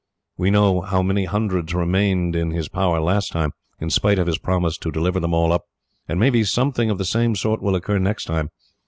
We know how many hundreds remained in his power last time, in spite of his promise to deliver them all up; and maybe something of the same sort will occur next time.